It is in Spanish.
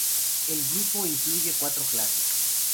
El grupo incluye cuatro clases.